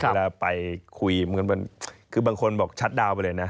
เวลาไปคุยคือบางคนบอกชัดดาวน์ไปเลยนะ